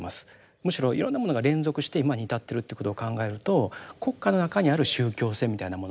むしろいろんなものが連続して今に至ってるということを考えると国家の中にある宗教性みたいなもの